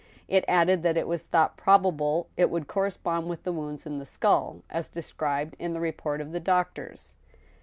It added that it was thought probable it would correspond with the wounds in the skull, as described in the report of the doctors.